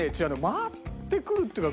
回ってくるっていうか